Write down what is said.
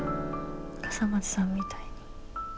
笠松さんみたいに。